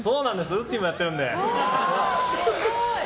ウッディもやってるんで！